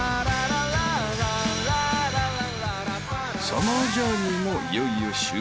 ［サマージャーニーもいよいよ終盤］